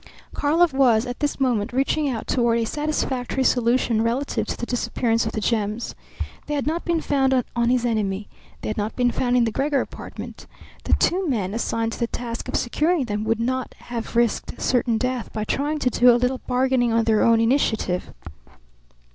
Karlov was at this moment reaching out toward a satisfactory solution relative to the disappearance of the gems. They had not been found on his enemy; they had not been found in the Gregor apartment; the two men assigned to the task of securing them would not have risked certain death by trying to do a little bargaining on their own initiative.